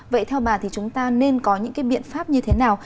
vậy theo bà thì chúng ta nên có những cái biện pháp như thế nào